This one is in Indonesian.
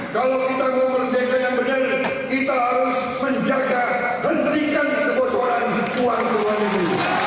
kalau kita mau berdekatan yang benar kita harus menjaga hentikan kebocoran luar negeri